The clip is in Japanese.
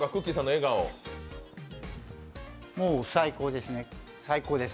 もう最高ですね、最高です。